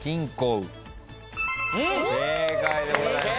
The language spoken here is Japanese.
正解でございます。